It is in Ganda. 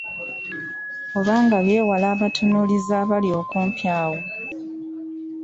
Oba nga byewala abatunuulizi abali okumpi awo.